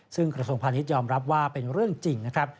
ซึ่งกระทรวงพาณิชยอมรับว่าเป็นเรื่องจริงนะครับ